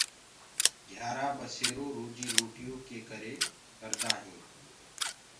گھيآرآ ٻسيرو روجي روٽيو ڪي ڪري هينٚ۔